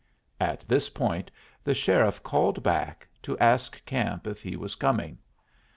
At this point the sheriff called back to ask Camp if he was coming.